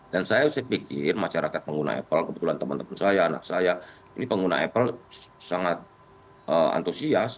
dan saya pikir masyarakat pengguna apple kebetulan teman teman saya anak saya ini pengguna apple sangat antusias